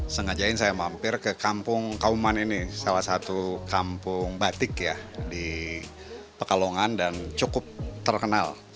sengajain saya mampir ke kampung kauman ini salah satu kampung batik ya di pekalongan dan cukup terkenal